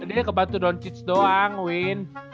dia kebantu don cic doang win